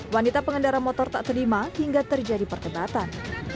wanita pengendara motor tak terima hingga terjadi perdebatan